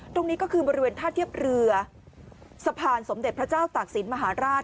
ตรงนี้ก็คือบริเวณท่าเทียบเรือสะพานสมเด็จพระเจ้าตากศิลปมหาราช